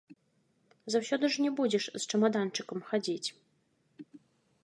Заўсёды ж не будзеш з чамаданчыкам хадзіць.